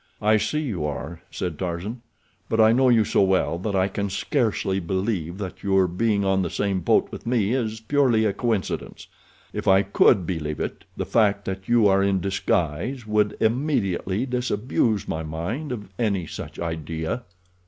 "I see you are," said Tarzan; "but I know you so well that I can scarcely believe that your being on the same boat with me is purely a coincidence. If I could believe it the fact that you are in disguise would immediately disabuse my mind of any such idea."